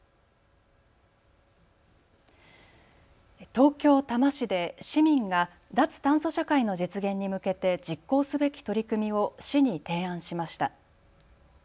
東京・多摩市で市民が脱炭素社会の実現に向けて実行すべき取り組みを市に提案しました。